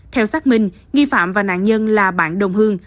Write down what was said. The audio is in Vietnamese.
theo xác minh nghi phạm và nạn nhân là bạn đồng hương